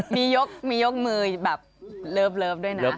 มียกมือแบบเลิฟด้วยนะ